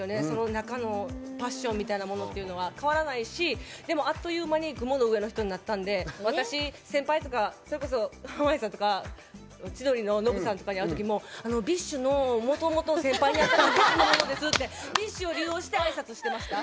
中のパッションみたいなものっていうのは変わらないしでも、あっという間に雲の上の人になったんで私、先輩とかそれこそ濱家さんとか千鳥のノブさんとかに会ったときにＢｉＳＨのもともと先輩に当たる者ですってＢｉＳＨを利用してあいさつしてました。